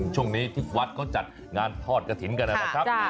ช่วงนี้ที่วัดเขาจัดงานทอดกระถิ่นกันนะครับ